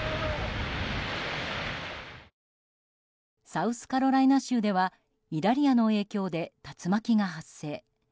サウスカロライナ州ではイダリアの影響で竜巻が発生。